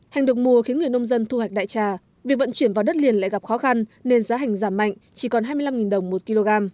hành được mùa khiến người nông dân thu hoạch đại trà việc vận chuyển vào đất liền lại gặp khó khăn nên giá hành giảm mạnh chỉ còn hai mươi năm đồng một kg